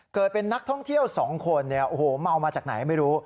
เกิดเป็นนักท่องเที่ยว๒คนเนี่ยโอ้โหเมามาจากไหนไม่รู้